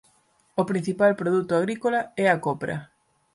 O principal produto agrícola é a copra.